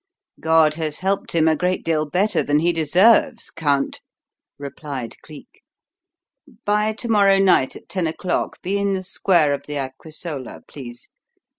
"God has helped him a great deal better than he deserves, Count," replied Cleek. "By to morrow night at ten o'clock be in the square of the Aquisola, please.